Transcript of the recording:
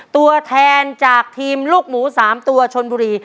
ตัวแทนจากทีมลูกหมู๓ตัวชนบุรี